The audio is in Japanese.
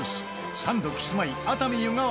サンド、キスマイ熱海・湯河原